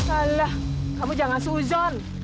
alah kamu jangan seuzon